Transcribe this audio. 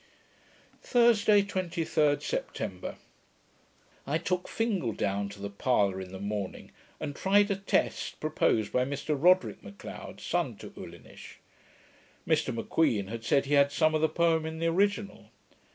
Thursday, 23d September I took Fingal down to the parlour in the morning, and tried a test proposed by Mr Roderick M'Leod, son to Ulinish. Mr M'Queen had said he had some of the poem in the original.